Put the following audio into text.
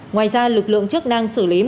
ngoài ra lực lượng chức năng xử lý